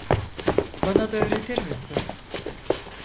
Bana da öğretir misin?